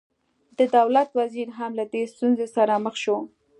د دولت وزیر هم له دې ستونزې سره مخ شو.